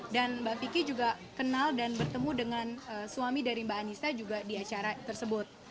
dan mbak vicky juga kenal dan bertemu dengan suami dari mbak andisa juga di acara tersebut